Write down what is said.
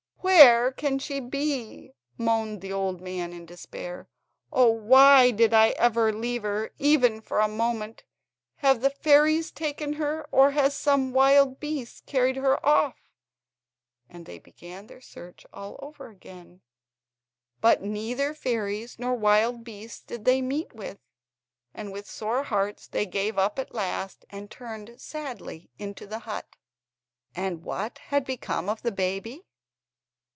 "Where can she be?" moaned the old man, in despair. "Oh, why did I ever leave her, even for a moment? Have the fairies taken her, or has some wild beast carried her off?" And they began their search all over again; but neither fairies nor wild beasts did they meet with, and with sore hearts they gave it up at last and turned sadly into the hut. And what had become of the baby?